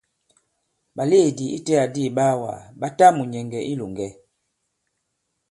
Ɓàlèedì itẽ adi ìɓaawàgà ɓa ta mùnyɛ̀ŋgɛ̀ i ilòŋgɛ.